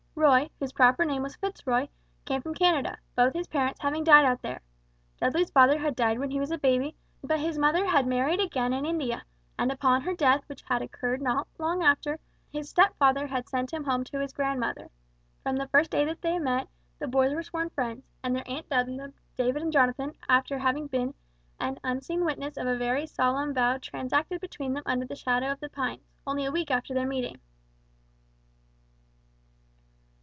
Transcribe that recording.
Roy, whose proper name was Fitzroy, came from Canada, both his parents having died out there. Dudley's father had died when he was a baby, but his mother had married again in India; and upon her death which occurred not long after, his stepfather had sent him home to his grandmother. From the first day that they met, the boys were sworn friends; and their aunt dubbed them "David" and "Jonathan" after having been an unseen witness of a very solemn vow transacted between them under the shadow of the pines, only a week after their meeting.